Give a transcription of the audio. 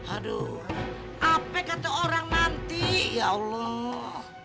aduh apa kata orang nanti ya allah